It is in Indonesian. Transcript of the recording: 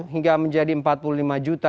hingga menjadi empat puluh lima juta